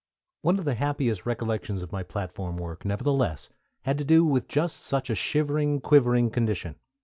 One of the happiest recollections of my platform work, nevertheless, had to do with just such a shivering, quivering condition.